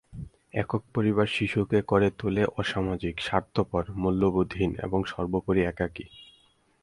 একক পরিবার শিশুকে করে তোলে অসামাজিক, স্বার্থপর, মূল্যবোধহীন এবং সর্বোপরি একাকী।